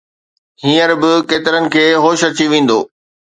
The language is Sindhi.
هينئر به ڪيترن کي هوش اچي ويندو